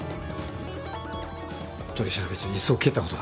取り調べ中に椅子を蹴ったことだ。